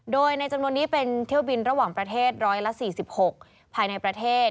โดยในจำนวนนี้เป็นเที่ยวบินระหว่างประเทศ๑๔๖ภายในประเทศ